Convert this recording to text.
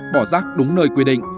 bỏ rác đúng nơi quy định